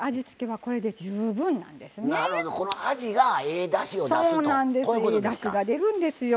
ええだしが出るんですよ。